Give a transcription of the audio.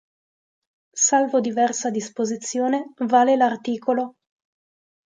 Salvo diversa disposizione vale l'art.